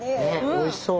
おいしそう。